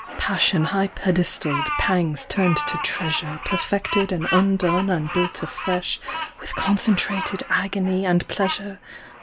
60 Passion high pedestalled, pangs turned to treasure, Perfected and undone and built afresh With concentrated agony and Pleasure